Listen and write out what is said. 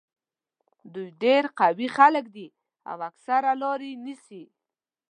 دوی ډېر قوي خلک دي او اکثره لارې نیسي.